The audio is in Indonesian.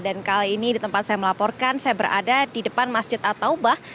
dan kali ini di tempat saya melaporkan saya berada di depan masjid at taubah